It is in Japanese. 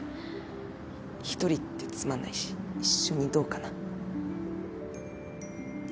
一人ってつまんないし一緒にどうかな。